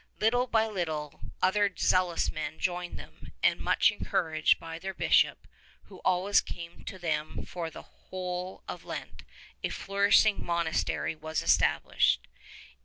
Little by little other zealous men joined them, and much encouraged by their Bishop, who always came to them for the whole of Lent, a flourishing monastery was established.